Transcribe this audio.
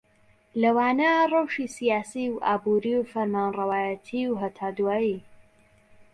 لەوانە ڕەوشی سیاسی و ئابووری و فەرمانڕەوایەتی و هتد